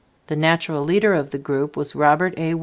The natural leader of the group was Robert A.